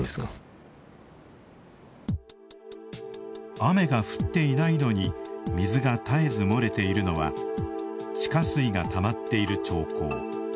雨が降っていないのに水が絶えず漏れているのは地下水がたまっている兆候。